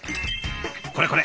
これこれ！